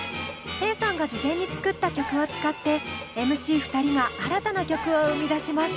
テイさんが事前に作った曲を使ってＭＣ２人が新たな曲を生み出します。